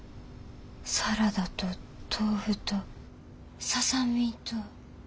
サラダと豆腐とササミと。